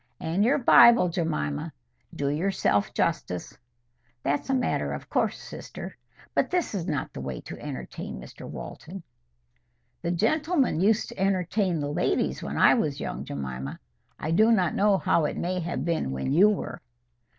"And your Bible, Jemima. Do yourself justice." "That's a matter of course, sister. But this is not the way to entertain Mr Walton." "The gentlemen used to entertain the ladies when I was young, Jemima. I do not know how it may have been when you were."